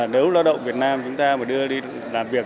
nếu lao động việt nam chúng ta mà đưa đi làm việc